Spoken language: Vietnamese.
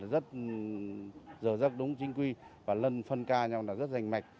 rất giờ rất đúng chính quy và lân phân ca nhau là rất danh mạch